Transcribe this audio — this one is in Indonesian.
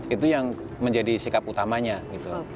itu yang menjadi sikap utamanya gitu